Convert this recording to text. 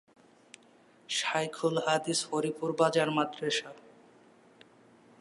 শায়খুল হাদিস হরিপুর বাজার মাদরাসা।